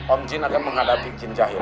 om jin akan menghadapi jin jahat